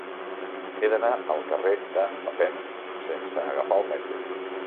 He d'anar al carrer de Papin sense agafar el metro.